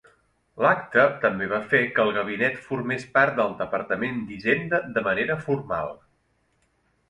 L'acte també va fer que el gabinet formés part del Departament d'Hisenda de manera formal.